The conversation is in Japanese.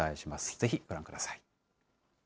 ぜひご覧ください。